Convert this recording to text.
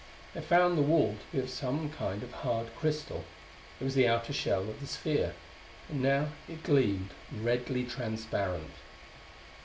They found the wall to be of some kind of hard crystal; it was the outer shell of the sphere; and it now gleamed redly transparent.